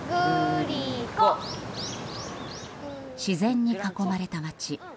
自然に囲まれた街。